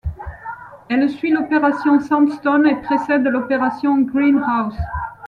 Elle suit l'opération Sandstone et précède l'opération Greenhouse.